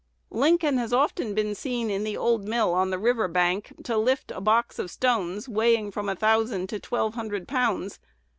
Lincoln has often been seen in the old mill on the river bank to lift a box of stones weighing from a thousand to twelve hundred pounds.